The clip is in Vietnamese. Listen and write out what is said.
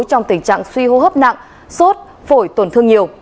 trong tình trạng suy hô hấp nặng sốt phổi tổn thương nhiều